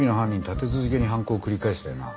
立て続けに犯行を繰り返したよな？